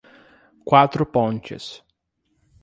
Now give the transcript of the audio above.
Quatro Pontes